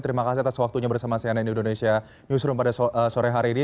terima kasih atas waktunya bersama cnn indonesia newsroom pada sore hari ini